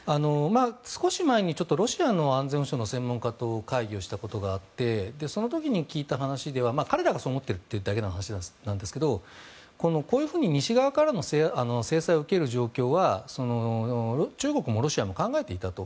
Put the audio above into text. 少し前にロシアの安全保障の専門家と会議をしたことがあってその時に聞いたのは彼らがそう思っているだけの話ですけどこういうふうに西側から制裁を受ける状況は中国もロシアも考えていたと。